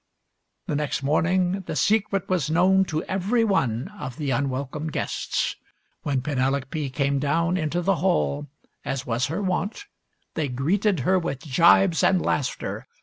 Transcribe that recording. The next morning the secret was known to every one of the unwelcome guests. When Penel ope came down into the hall, as was her wont, they greeted her with jibes and laughter.